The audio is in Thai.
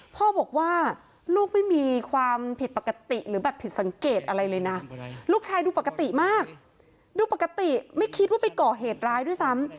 พ่อบอกว่าลูกไม่มีความผิดปกติหรือแบบผิดสังเกตอะไรเลยนะลูกชายดูปกติมากดูปกติไม่คิดว่าไปก่อเหตุร้ายด้วยซ้ำ